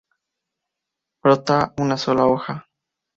Brota una sola hoja.